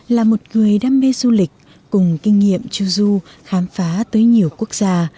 là một người đam mê du lịch cùng kinh nghiệm cho du khám phá tới nhiều quốc gia